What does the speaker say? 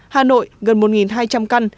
hà nội gần một hai trăm linh căn